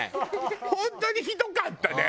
本当にひどかったね。